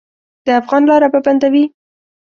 د افغان لاره به بندوي.